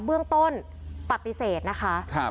เบื้องต้นปฏิเสธนะคะ